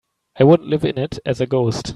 I wouldn't live in it as a ghost.